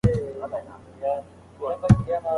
شاعر ته د جادوګر نوم ورکړل شوی دی.